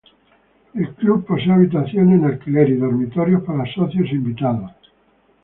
El club posee habitaciones en alquiler y dormitorios para socios e invitados.